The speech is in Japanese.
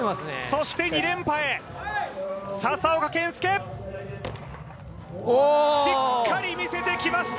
そして２連覇へ、笹岡建介、しっかり見せてきました。